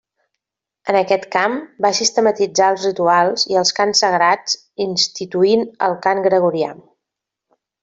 En aquest camp, va sistematitzar els rituals i els cants sagrats, instituint el cant gregorià.